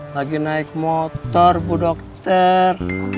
lagi naik motor bu dokter